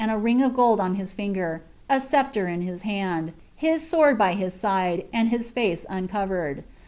i ring of gold on his finger, a sceptre in his hand, his sword by hii sidh and hia face uncovered.